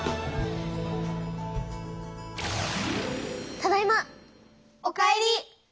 ただいま！お帰り！